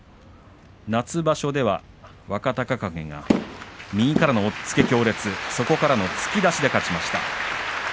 夏場所では若隆景が右からの押っつけ強烈そこからの突き出しで勝ちました。